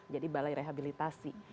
jadi balai rehabilitasi